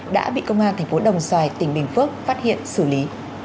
đã bị công an tp đồng xoài tỉnh bình phước phát hiện xử lý